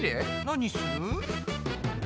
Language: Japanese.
何する？